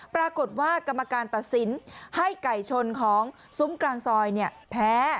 ปรากฏว่ากรรมการตัดสินให้ไก่ชนของซุ้มกลางซอยแพ้